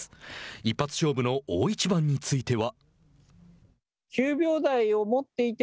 一発勝負の大一番については。